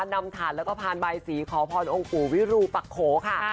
นำถาดและภารใบสีขอพรองคู่วิรูปักโขค่ะ